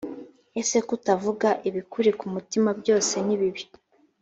ese kutavuga ibikuri ku mutima byose ni bibi?